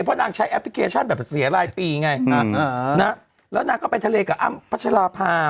เพราะนางใช้แอปพลิเคชันแบบเสียรายปีไงแล้วนางก็ไปทะเลกับอ้ำพัชราภา